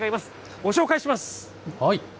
ご紹介します。